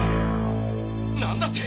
何だって！